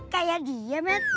kayak dia met